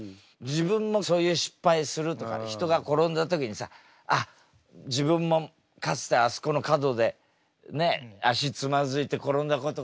自分もそういう失敗するとか人が転んだ時にさあっ自分もかつてあそこの角でねっ足つまずいて転んだことがある。